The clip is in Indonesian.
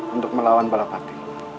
untuk melawan balap hatimu